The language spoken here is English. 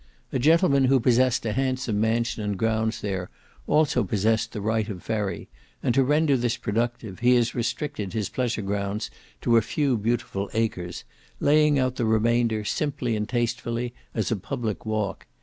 A gentleman who possessed a handsome mansion and grounds there, also possessed the right of ferry, and to render this productive, he has restricted his pleasure grounds to a few beautiful acres, laying out the remainder simply and tastefully as a public walk.